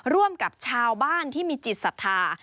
ร่วมกับชาวบ้านที่มีจิตศรัทธา